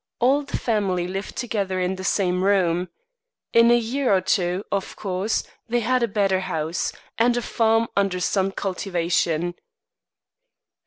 All the family lived together in the same room. In a year or two, of course, they had a better house, and a farm under some cultivation.